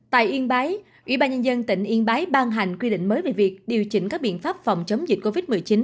tại yên bái ủy ban nhân dân tỉnh yên bái ban hành quy định mới về việc điều chỉnh các biện pháp phòng chống dịch covid một mươi chín